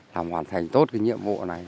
làm hoàn thành tốt cái nhiệm vụ này